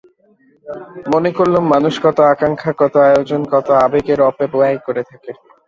মনে করলুম মানুষ কত আকাঙ্খা, কত আয়োজন, কত আবেগের অপব্যয় করে থাকে।